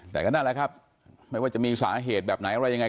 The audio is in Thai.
แต่ก็นั่นแหละครับไม่ว่าจะมีสาเหตุแบบไหนอะไรยังไง